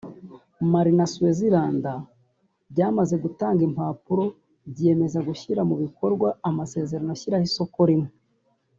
Mali na Swaziland byamaze gutanga impapuro byiyemeza gushyira mu bikorwa amasezerano ashyiraho Isoko Rimwe